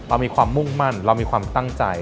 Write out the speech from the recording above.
เรามีความมุ่งมั่นเรามีความตั้งใจ